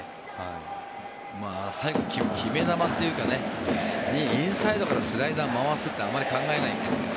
最後、決め球というかインサイドからスライダーを回すってあまり考えないんですけど。